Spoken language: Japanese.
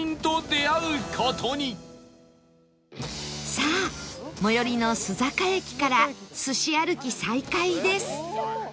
さあ最寄りの須坂駅からすし歩き再開です